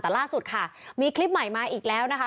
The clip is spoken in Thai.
แต่ล่าสุดค่ะมีคลิปใหม่มาอีกแล้วนะคะ